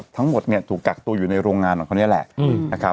ทั้งหมดถูกกักตัวอยู่ในโรงงานนอนคนนี้แหละ